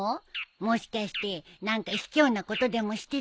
もしかして何かひきょうなことでもしてたんじゃ。